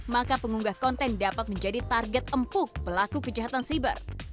maka pengunggah konten dapat menjadi target empuk pelaku kejahatan siber